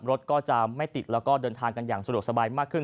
รถก็จะไม่ติดแล้วก็เดินทางกันอย่างสะดวกสบายมากขึ้น